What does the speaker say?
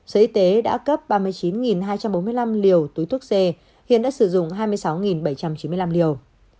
sở y tế đã cấp ba mươi chín hai trăm bốn mươi năm liều túi thuốc c hiện đã sử dụng hai mươi sáu bảy trăm chín mươi năm liều